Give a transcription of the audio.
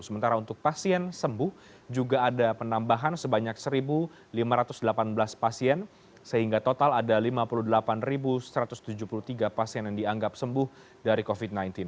sementara untuk pasien sembuh juga ada penambahan sebanyak satu lima ratus delapan belas pasien sehingga total ada lima puluh delapan satu ratus tujuh puluh tiga pasien yang dianggap sembuh dari covid sembilan belas